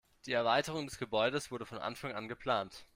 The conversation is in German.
Die Erweiterung des Gebäudes wurde von Anfang an geplant.